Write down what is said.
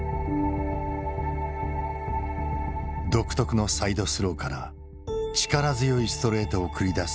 独特のサイドスローから力強いストレートを繰り出す